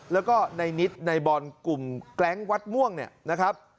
แล้วก็ในนิดในบอลกลุ่มแกร้งวัดม่วงเนี่ยนะครับ